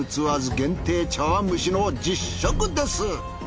限定茶碗蒸しの実食です。